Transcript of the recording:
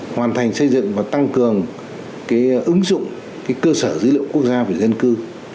hoàn thành xây dựng và tăng cường ứng dụng cơ sở dữ liệu quốc gia về dân cư